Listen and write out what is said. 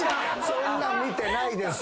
そんなん見てないです。